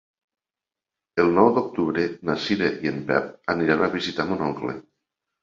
El nou d'octubre na Cira i en Pep aniran a visitar mon oncle.